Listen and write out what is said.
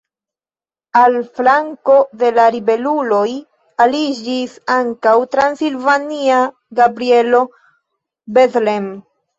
Al flanko de la ribeluloj aliĝis ankaŭ transilvania Gabrielo Bethlen.